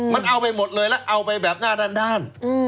มันเอาไปหมดเลยแล้วเอาไปแบบหน้าด้าน